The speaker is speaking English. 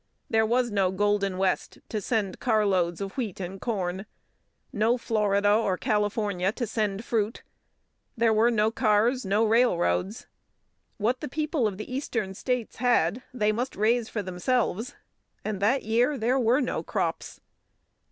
There was no golden West to send carloads of wheat and corn; no Florida or California to send fruit; there were no cars, no railroads. What the people of the Eastern States had they must raise for themselves, and that year there were no crops.